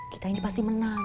kita ini pasti menang